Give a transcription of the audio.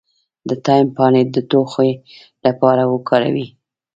د تایم پاڼې د ټوخي لپاره وکاروئ